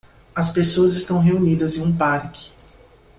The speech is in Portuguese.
As pessoas estão reunidas em um parque.